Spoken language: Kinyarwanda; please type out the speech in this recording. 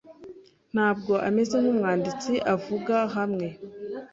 ntabwo ameze nkumwanditsi Avuga hamwe